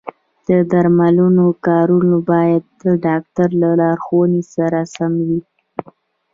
د درملو کارول باید د ډاکټر د لارښوونې سره سم وي.